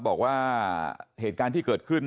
บอกว่าเหตุการณ์ที่เกิดขึ้น